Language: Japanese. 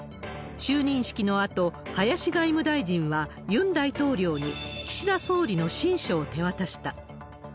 就任式のあと、林外務大臣はユン大統領に岸田総理の親書を手渡した。